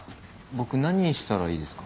僕何したらいいですか？